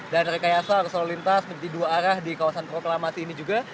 dan rekayasa arus lalu lintas berarti dua arah di kawasan proklamasi ini juga